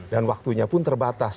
dan waktunya pun terbatas